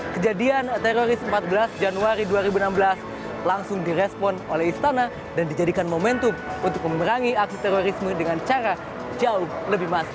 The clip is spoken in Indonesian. kejadian teroris empat belas januari dua ribu enam belas langsung direspon oleh istana dan dijadikan momentum untuk memerangi aksi terorisme dengan cara jauh lebih masif